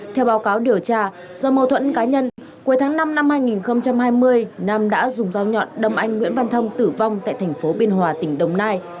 theo báo cáo điều tra do mâu thuẫn cá nhân cuối tháng năm năm hai nghìn hai mươi nam đã dùng dao nhọn đâm anh nguyễn văn thông tử vong tại thành phố biên hòa tỉnh đồng nai